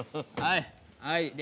はいはい。